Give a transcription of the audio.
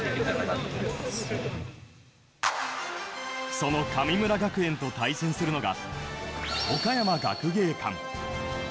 その神村学園と対戦するのが岡山学芸館。